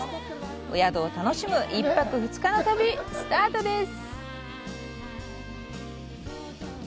お宿を楽しむ１泊２日の旅スタートです。